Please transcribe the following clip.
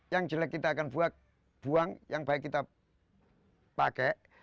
yang jelek kita akan buang yang baik kita pakai